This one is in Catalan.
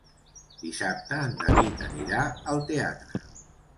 Dissabte en David anirà al teatre.